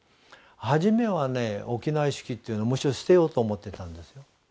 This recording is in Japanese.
はじめはね沖縄意識っていうのはむしろ捨てようと思ってたんです。